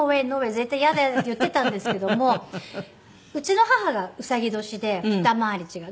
「絶対嫌だ嫌だ」って言ってたんですけどもうちの母がうさぎ年で二回り違う。